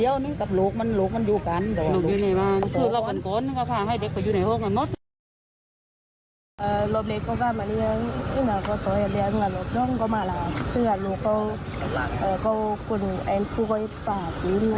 รอบกันก้อนพาให้เด็กไปอยู่ในห้องกันน่ะ